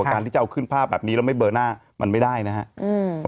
การที่จะเอาขึ้นภาพแบบนี้แล้วไม่เบอร์หน้ามันไม่ได้นะครับ